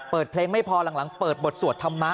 เปิดเพลงไม่พอหลังเปิดบทสวดธรรมะ